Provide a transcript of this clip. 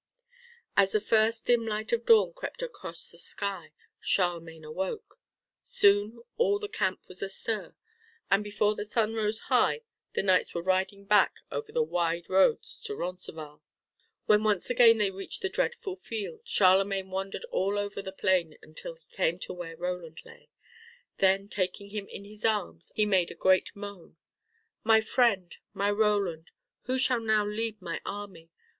As the first dim light of dawn crept across the sky, Charlemagne awoke. Soon all the camp was astir, and before the sun rose high the knights were riding back over the wide roads to Roncesvalles. When once again they reached the dreadful field, Charlemagne wandered over all the plain until he came where Roland lay. Then taking him in his arms he made great moan. "My friend, my Roland, who shall now lead my army?